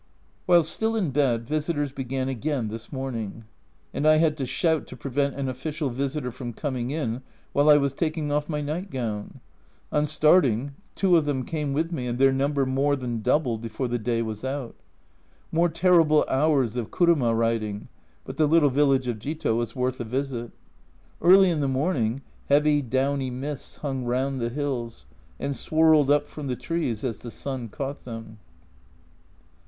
While still in bed, visitors began again this morning, and I had to shout to prevent an official visitor from coming in while I was taking off my night gown. On starting two of them came with me, and their number more than doubled before the day was out. More terrible hours of kuruma riding but the little village of Jito was worth a visit. Early in the morning heavy downy mists hung round the hills, and swirled up from the trees as the sun caught them.